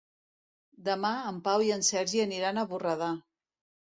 Demà en Pau i en Sergi aniran a Borredà.